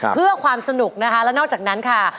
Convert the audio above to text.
เพื่อความสนุกนะคะแล้วนอกจากนั้นค่ะ